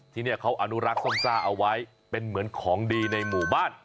ที่นี่เขาอนุรักษ์ส้มจ้าเอาไว้เป็นเหมือนของดีในหมู่บ้าน